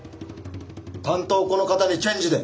担当をこの方にチェンジで！